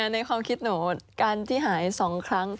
ในความคิดหนูการที่หาย๒ครั้ง